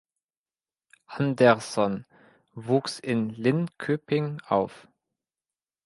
Andersson wuchs in Linköping auf.